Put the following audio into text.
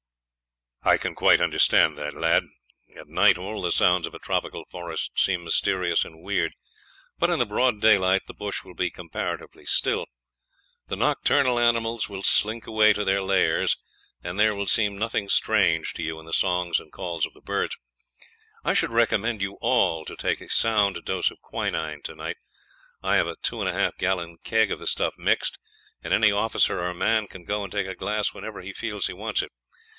"I can quite understand that, lad. At night all the sounds of a tropical forest seem mysterious and weird, but in the broad daylight the bush will be comparatively still. The nocturnal animals will slink away to their lairs, and there will seem nothing strange to you in the songs and calls of the birds. I should recommend you all to take a sound dose of quinine tonight; I have a two and a half gallon keg of the stuff mixed, and any officer or man can go and take a glass whenever he feels he wants it.